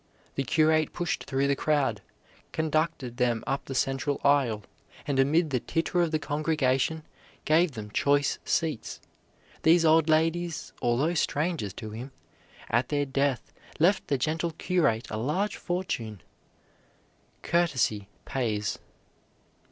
The curate pushed through the crowd, conducted them up the central aisle, and amid the titter of the congregation, gave them choice seats. These old ladies although strangers to him, at their death left the gentle curate a large fortune. Courtesy pays.